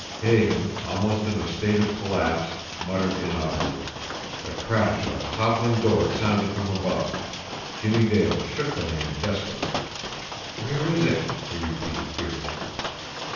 Hagan, almost in a state of collapse, muttered inaudibly. The crash of a toppling door sounded from above. Jimmie Dale shook the man desperately. "Where is it?" he repeated fiercely.